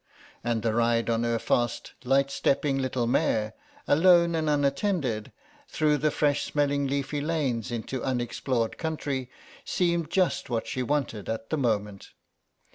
And the ride on her fast light stepping little mare, alone and unattended, through the fresh smelling leafy lanes into unexplored country, seemed just what she wanted at the moment.